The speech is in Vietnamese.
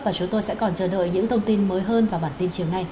và chúng tôi sẽ còn chờ đợi những thông tin mới hơn vào bản tin chiều nay